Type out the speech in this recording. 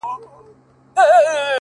څه مي ارام پرېږده ته-